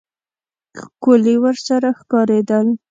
ښکلي ورسره ښکارېدل.